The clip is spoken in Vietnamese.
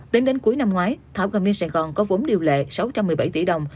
tính đến cuối năm ngoái thảo cầm viên sài gòn có vốn điều lệ sáu trăm một mươi bảy tỷ đồng